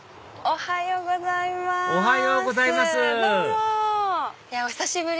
おはようございますどうも！